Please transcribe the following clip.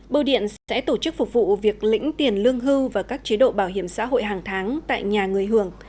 bưu điện sẽ tổ chức phục vụ việc lĩnh tiền lương hưu và các chế độ bảo hiểm xã hội hàng tháng tại nhà người hưởng